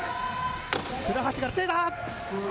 倉橋が防いだ。